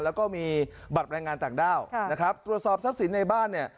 แล้วก็มีบัตรแรงงานต่างด้าวนะครับตรวจสอบทรัพย์สินในบ้านเนี่ย